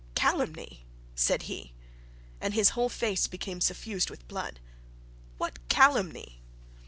'Calumny!' said he, and his whole face became suffused with blood; 'what calumny?